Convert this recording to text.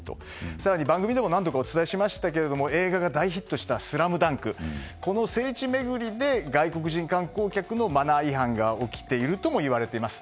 更に番組でも何度かお伝えしましたが映画が大ヒットした「ＳＬＡＭＤＵＮＫ」この聖地巡りで外国人観光客のマナー違反が起きているともいわれています。